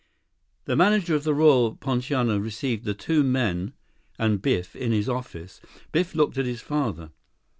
30 The manager of the Royal Poinciana received the two men and Biff in his office. Biff looked at his father.